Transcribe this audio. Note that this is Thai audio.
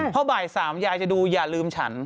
เพราะบ่าย๓ยายจะดูอย่าลืมฉัน